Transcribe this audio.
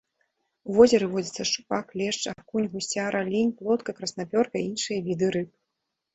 У возеры водзяцца шчупак, лешч, акунь, гусцяра, лінь, плотка, краснапёрка і іншыя віды рыб.